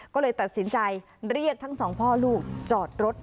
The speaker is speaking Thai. ก็เลยตัดสินใจเรียกทั้งสองพ่อลูกจอดรถ